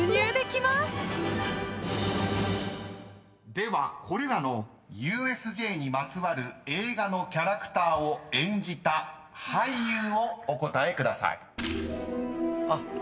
ではこれらのＵＳＪにまつわる映画のキャラクターを演じた俳優をお答えください］